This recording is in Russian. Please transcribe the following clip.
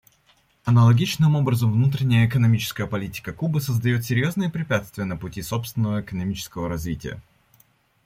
Аналогичным образом, внутренняя экономическая политика Кубы создает серьезные препятствия на пути собственного экономического развития.